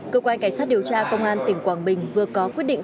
cơ quan cảnh sát điều tra công an tỉnh quảng bình vừa có quyết định